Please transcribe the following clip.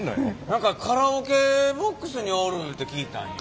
何かカラオケボックスにおるて聞いたんよ。